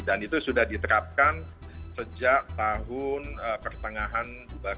dan itu sudah diterapkan sejak tahun pertengahan dua ribu dua puluh